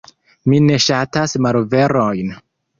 Mi ne ŝatas malverojn.